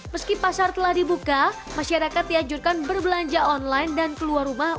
meski pasar telah dibuka masyarakat dianjurkan berbelanja online dan keluar rumah